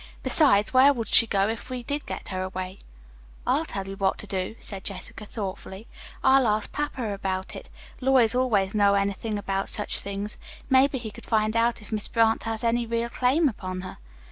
Besides, where would she go if we did get her away?" "I'll tell you what I'll do," said Jessica thoughtfully. "I'll ask papa about it. Lawyers always know everything about such things. Maybe he could find out if Miss Brant has any real claim upon her."